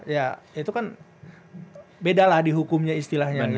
ya itu kan bedalah di hukumnya istilahnya gitu